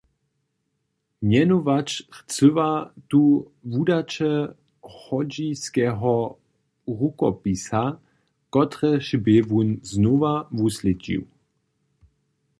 Mjenować chcyła tu wudaće Hodźijskeho rukopisa, kotrež bě wón znowa wuslědźił.